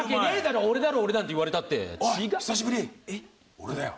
俺だよ。